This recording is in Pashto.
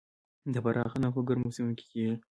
د فراه غنم په ګرمو سیمو کې کیږي.